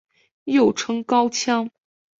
又称高腔。